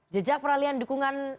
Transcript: jejak peralihan dukungan